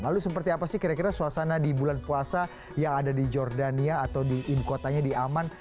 lalu seperti apa sih kira kira suasana di bulan puasa yang ada di jordania atau di ibu kotanya di aman